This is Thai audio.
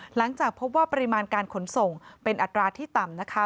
หลังจากพบว่าปริมาณการขนส่งเป็นอัตราที่ต่ำนะคะ